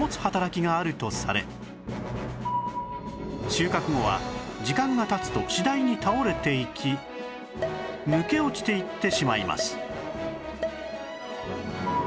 収穫後は時間が経つと次第に倒れていき抜け落ちていってしまいます